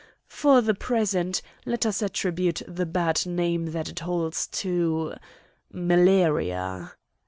For the present, let us attribute the bad name that it holds to—malaria."